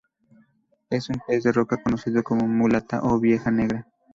Es un pez de roca conocido como mulata o vieja negra.